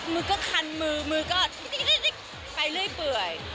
มือก็คันมือมือมือก็ไปเรื่อยเปื่อย